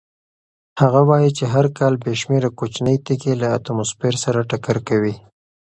هغه وایي چې هر کال بې شمېره کوچنۍ تېږې له اتموسفیر سره ټکر کوي.